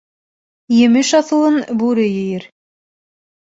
Емеш аҫылын бүре ейер.